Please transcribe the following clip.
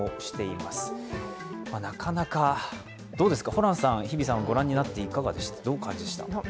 ホランさん、日比さん、ご覧になってどう感じました？